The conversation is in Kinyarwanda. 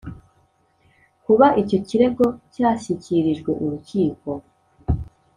Kuba icyo kirego cyashyikirijwe urukiko